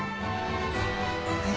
はい。